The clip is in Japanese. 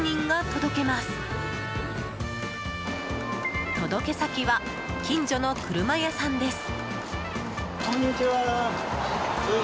届け先は近所の車屋さんです。